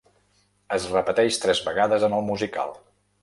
Es repeteix tres vegades en el musical.